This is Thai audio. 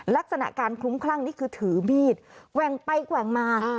ลักษณะการคลุ้มคลั่งนี่คือถือมีดแหว่งไปแกว่งมา